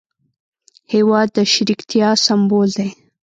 هېواد د شریکتیا سمبول دی.